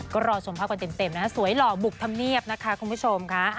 ก็รอชมภาพกันเต็มนะคะสวยหล่อบุกธรรมเนียบนะคะคุณผู้ชมค่ะ